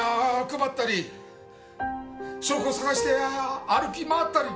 配ったり証拠を探して歩き回ったり。